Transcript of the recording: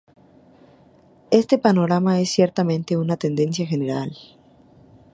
Este panorama es, ciertamente, una tendencia general.